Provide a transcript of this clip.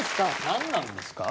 何なんですか？